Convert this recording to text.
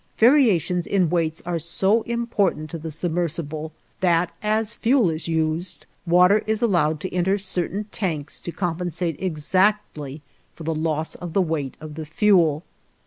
Variations in weights are so important to the submersible that, as fuel is used, water is allowed to enter certain tanks to compensate exactly for the loss of the weight of the fuel.